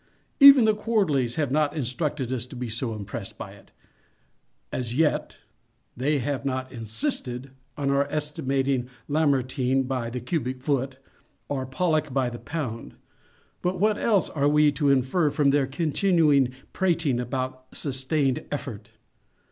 Even the Quarterlies have not instructed us to be so impressed by it. As _yet, _they have not _insisted _on our estimating "Lamar" tine by the cubic foot, or Pollock by the pound—but what else are we to _infer _from their continual plating about "sustained effort"?